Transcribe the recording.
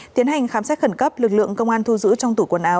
tiến hành khám xét khẩn cấp lực lượng công an thu giữ trong tủ quần áo